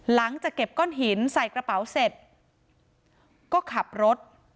หลังจากเก็บก้อนหินใส่กระเป๋าเสร็จก็ขับรถ